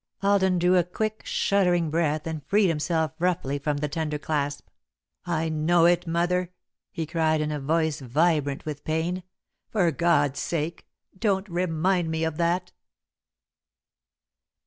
Alden drew a quick, shuddering breath, and freed himself roughly from the tender clasp. "I know it, Mother," he cried, in a voice vibrant with pain. "For God's sake, don't remind me of that!"